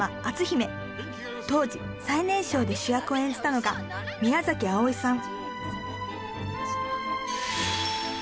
当時最年少で主役を演じたのが宮あおいさん